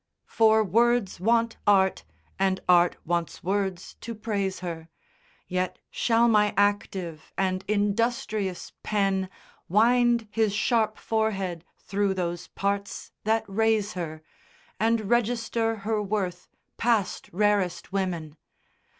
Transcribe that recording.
IX. For words want art, and Art wants words to praise her; Yet shall my active and industrious pen Wind his sharp forehead through those parts that raise her, And register her worth past rarest women.